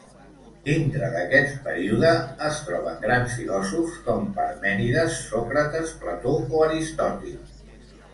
Dintre d'aquest període es troben grans filòsofs com Parmènides, Sòcrates, Plató o Aristòtil.